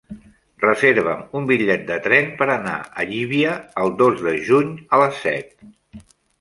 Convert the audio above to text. Reserva'm un bitllet de tren per anar a Llívia el dos de juny a les set.